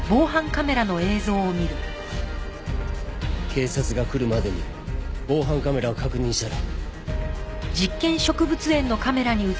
警察が来るまでに防犯カメラを確認したら。